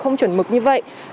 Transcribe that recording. không chuẩn mực như vậy